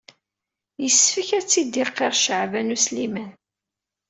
Yessefk ad t-id-iqirr Caɛban U Sliman.